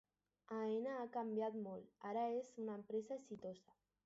Aena ha canviat molt, ara és una empresa exitosa